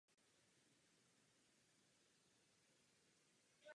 Ceremonii udílení cen moderoval Ricky Gervais a byla poprvé vysílána živě.